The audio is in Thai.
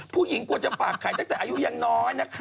ผู้หญิงควรจะฝากไข่ตั้งแต่อายุยังน้อยนะคะ